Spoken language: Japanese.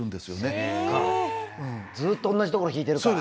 ずーっと同じところ弾いてるから。